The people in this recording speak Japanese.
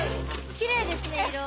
きれいですね色。